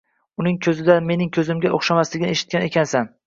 Undan ko'zing mening ko'zimga o'xshamasligini eshitgan ekansan.